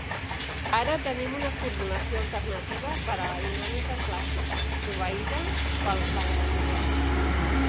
Ara tenim una formulació alternativa per a la dinàmica clàssica, proveïda pel lagrangià.